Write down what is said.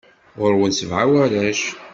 Ɣur-wen sebɛa warrac.